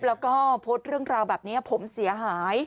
แล้วก็โพสต์เรื่องราวแบบนี้ผมเสียหาย